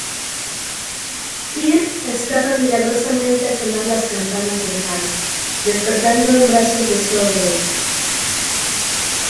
Peer escapa milagrosamente al sonar las campanas lejanas, despertando en brazos de Solveig.